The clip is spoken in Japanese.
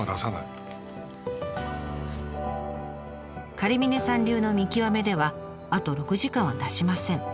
狩峰さん流の見極めではあと６時間は出しません。